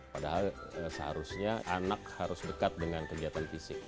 padahal seharusnya anak harus dekat dengan kegiatan fisik